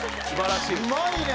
うまいね！